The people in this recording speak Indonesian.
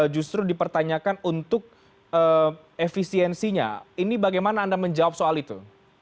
justru dipertanyakan untuk efisiensinya ini bagaimana anda menjawab soal itu